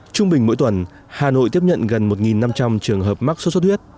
trung bình mỗi tuần hà nội tiếp nhận gần một năm trăm linh trường hợp mắc sốt xuất huyết